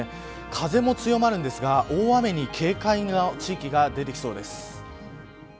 風も強まるんですが大雨に警戒の地域が出てきそうです。